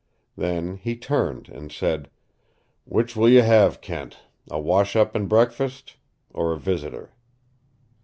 Then he turned, and said: "Which will you have, Kent a wash up and breakfast, or a visitor?"